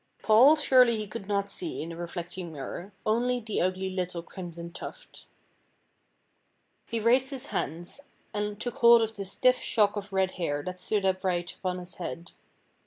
Paul surely he could not see in the reflecting mirror, only the ugly little Crimson Tuft. He raised his hands and took hold of the stiff shock of red hair that stood up· right upon his head.